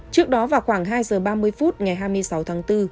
trước đó vào khoảng hai giờ ba mươi phút ngày hai mươi sáu tháng bốn